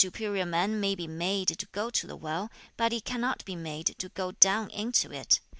man may be made to go to the well, but he cannot be made to go down into it.